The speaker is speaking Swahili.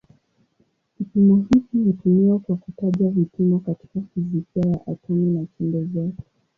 Kipimo hiki hutumiwa kwa kutaja vipimo katika fizikia ya atomi na chembe zake.